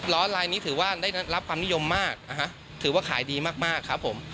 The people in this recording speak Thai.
ลายนี้ถือว่าได้รับความนิยมมากนะฮะถือว่าขายดีมากครับผม